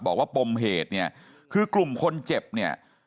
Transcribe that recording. ปมเหตุเนี่ยคือกลุ่มคนเจ็บเนี่ย